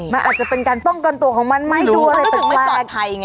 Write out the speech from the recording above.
มันอาจจะเป็นการป้องกันตัวของมันไม่รู้มันรู้มันรู้สึกไม่ปลอดภัยไงนะ